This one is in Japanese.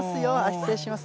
失礼します。